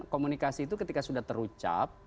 komunikasi itu ketika sudah terucap